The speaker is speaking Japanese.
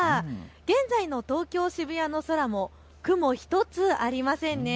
現在の東京渋谷の空も雲１つありませんね。